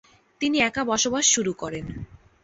তিনি একা বসবাস শুরু করেন।